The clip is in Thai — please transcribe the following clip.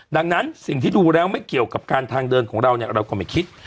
ดังนั้นสิ่งที่ดูแล้วไม่เกี่ยวกับการทางเดินของเราเนี่ยเราก็ไม่คิด